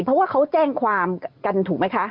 เพราะว่าเขาแจ้งความกันถูกไหมคะ